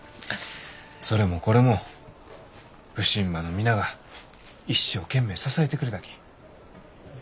それもこれも普請場の皆が一生懸命支えてくれたき。